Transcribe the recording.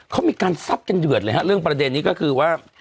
เขามีการซับกันเดือดเลยฮะเรื่องประเด็นนี้ก็คือว่า